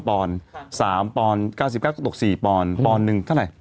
๓ปอน๙๙ก็ตก๔ปอนปอนหนึ่งเท่าไหร่